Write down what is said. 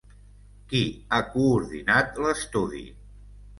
Qui ha coordinat l'estudi?